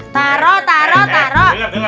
taruh taruh taruh